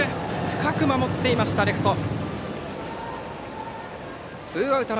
深く守っていましたレフト。